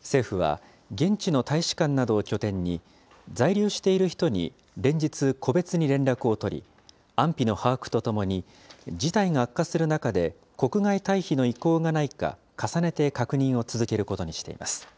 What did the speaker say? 政府は現地の大使館などを拠点に、在留している人に連日、個別に連絡を取り、安否の把握とともに、事態が悪化する中で、国外退避の意向がないか、重ねて確認を続けることにしています。